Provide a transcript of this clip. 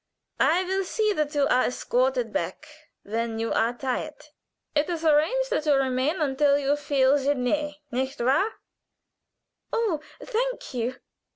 "I will see that you are escorted back when you are tired. It is arranged that you remain until you feel gené, nicht wahr?" "Oh, thank you!"